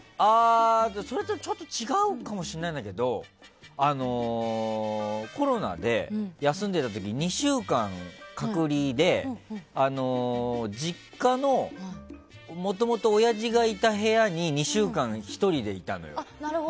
それとはちょっと違うかもしれないんだけどコロナで休んでた時２週間、隔離で実家のもともと親父がいた部屋に２週間、１人でいたのよ。